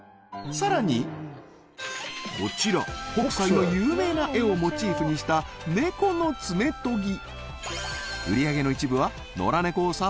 さらにこちら北斎の有名な絵をモチーフにした猫のつめとぎ